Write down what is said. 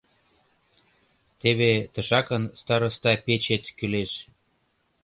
Теве тышакын староста печет кӱлеш.